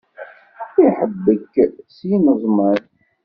Iḥebbek s yineẓman.